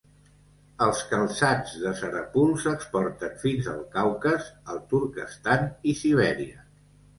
Els calçats de Sarapul s'exporten fins al Caucas, el Turquestan i Sibèria.